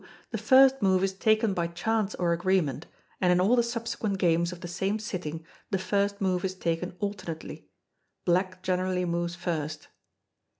The first move is taken by chance or agreement, and in all the subsequent games of the same sitting, the first move is taken alternately. Black generally moves first.